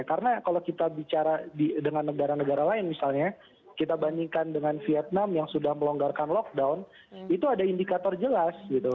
karena kalau kita bicara dengan negara negara lain misalnya kita bandingkan dengan vietnam yang sudah melonggarkan lockdown itu ada indikator jelas gitu